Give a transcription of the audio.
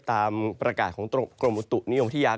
ตามประกาศของตรงกรมอุตุนิยองที่ยา